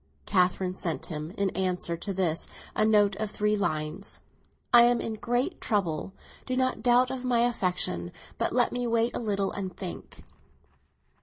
Catherine sent him, in answer to this, a note of three lines. "I am in great trouble; do not doubt of my affection, but let me wait a little and think."